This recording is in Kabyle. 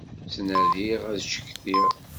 Ttnadiɣ ad cektiɣ.